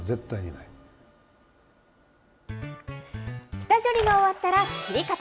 下処理が終わったら切り方。